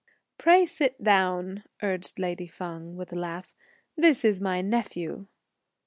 "Pray sit down," urged lady Feng, with a laugh; "this is my nephew!'